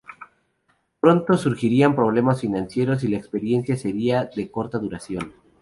Pronto surgirían problemas financieros y la experiencia sería de corta duración.